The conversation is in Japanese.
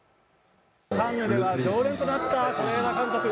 カンヌでは常連となった是枝監督。